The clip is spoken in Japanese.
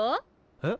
えっ？